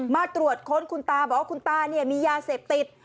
มาตรวจค้นคุณตาบอกว่าคุณตาเนี่ยมียาเสพติด